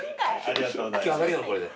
今日上がりなのこれで。